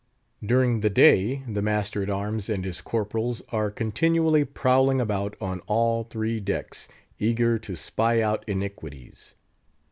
During the day the master at arms and his corporals are continually prowling about on all three decks, eager to spy out iniquities.